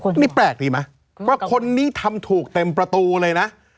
นี่แปลกดีไหมว่าคนนี้ทำถูกเต็มประตูเลยนะ